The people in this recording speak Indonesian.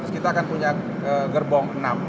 kita akan punya gerbong enam